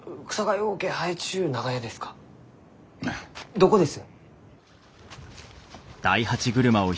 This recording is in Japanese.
どこです？